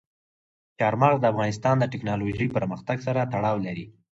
چار مغز د افغانستان د تکنالوژۍ پرمختګ سره تړاو لري.